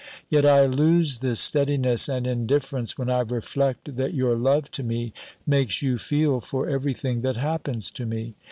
Yet I lose this steadiness and indifference when I reflect that your love to me makes you feel for everything that happens to me.